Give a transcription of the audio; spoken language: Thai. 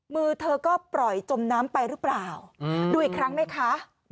มือเธอก็ปล่อยจมน้ำไปหรือเปล่าดูอีกครั้งไหมคะ